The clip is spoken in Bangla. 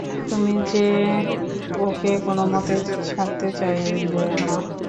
তুমি যে ওকে কোনোমতেই ছাড়তে চাইলে না।